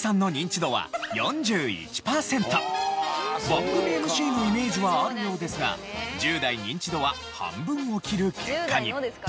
番組ＭＣのイメージはあるようですが１０代ニンチドは半分を切る結果に。